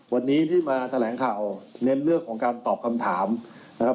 วันนี้ที่มาแถลงข่าวเน้นเรื่องของการตอบคำถามนะครับ